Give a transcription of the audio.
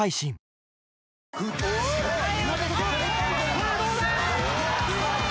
さあどうだ？